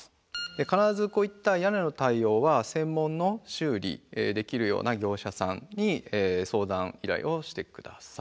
必ずこういった屋根の対応は専門の修理できるような業者さんに相談依頼をして下さい。